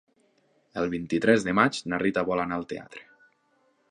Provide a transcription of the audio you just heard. El vint-i-tres de maig na Rita vol anar al teatre.